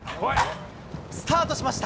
スタートしました。